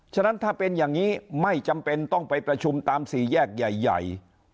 ฉะนั้นถ้าเป็นอย่างนี้ไม่จำเป็นต้องไปประชุมตามสี่แยกใหญ่